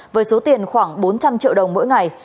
với số tiền khoảng bốn trăm linh triệu đồng mỗi ngày